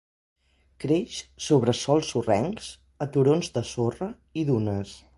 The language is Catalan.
Creix sobre sòls sorrencs, a turons de sorra i dunes.